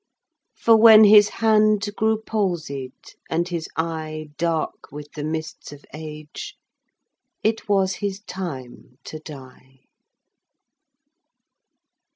For when his hand grew palsied, and his eye Dark with the mists of age, it was his time to die."